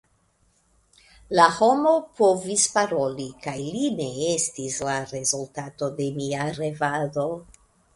La homo povis paroli, kaj li ne estis la rezultato de mia revado.